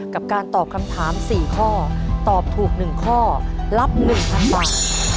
กับการตอบคำถาม๔ข้อตอบถูก๑ข้อรับ๑๐๐๐บาท